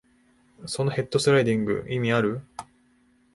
そのヘッドスライディング、意味ある？